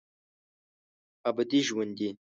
ابدي ژوندي